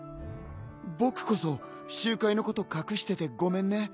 僕こそ集会のこと隠しててごめんね。